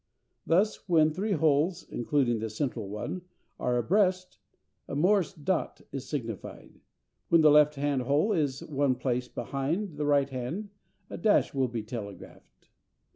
Thus, when three holes (including the central one) are abreast, a Morse "dot" is signified; when the left hand hole is one place behind the right hand, a "dash" will be telegraphed.